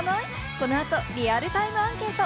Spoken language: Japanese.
この後、リアルタイムアンケート！